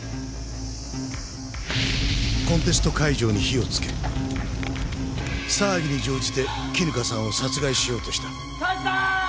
コンテスト会場に火をつけ騒ぎに乗じて絹香さんを殺害しようとした。